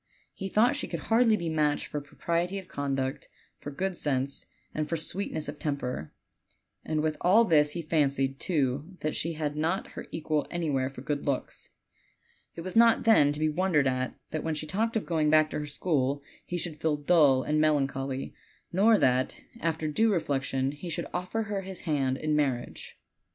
He thought she could hardly be matched for propriety of conduct, for good sense, and for sweetness of temper; and with all this he fancied, too, that she had not her equal anywhere for good looks. It was not, then, to be wondered at that when she talked of going back to her school he should feel dull and melancholy, nor that after due reflection, he should offer her his hand ,n mar riage.